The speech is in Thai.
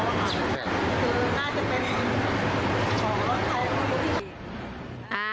น่าจะเป็นของเขา